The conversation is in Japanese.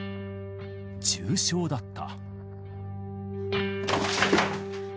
重症だった。